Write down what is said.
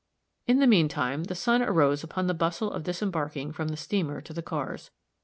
In the mean time, the sun arose upon the bustle of disembarking from the steamer to the cars.